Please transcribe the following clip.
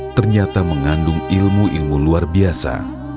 ternyata mengandung ilmu ilmu luar biasa